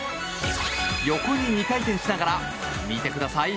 横に２回転しながら見てください